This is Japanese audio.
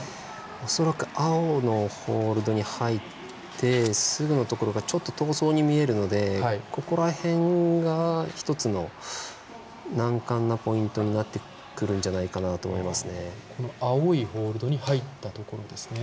恐らく青のホールドに入ってすぐのところが、ちょっと遠そうに見えるのでここら辺が１つの難関なポイントになってくるんじゃないかなと思いますね。